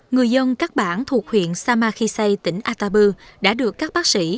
người dân các bản thuộc huyện samakhise tỉnh atta bư đã được các bác sĩ